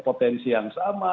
potensi yang sama